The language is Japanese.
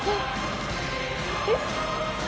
えっ？